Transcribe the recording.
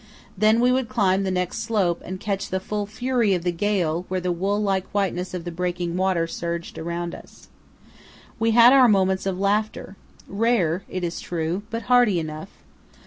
Then we would climb the next slope and catch the full fury of the gale where the wool like whiteness of the breaking water surged around us. We had our moments of laughter—rare, it is true, but hearty enough.